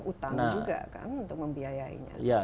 utang juga kan untuk membiayainya